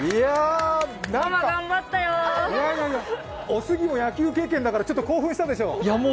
おすぎも野球経験だから、ちょっと興奮したでしょう。